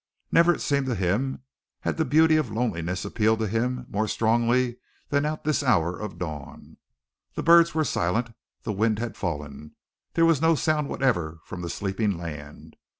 Never, it seemed to him, had the beauty of loneliness appealed to him more strongly than at this hour of dawn. The birds were silent, the wind had fallen, there was no sound whatever from the sleeping land.